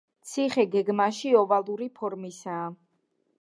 ციხე გეგმაში ოვალური ფორმისაა.